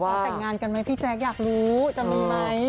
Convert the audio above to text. เขาแต่งงานกันไหมพี่แจ๊คอยากรู้จะมีไหม